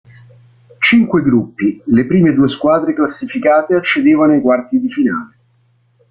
Cinque gruppi, le prime due squadre classificate accedevano ai quarti di finale.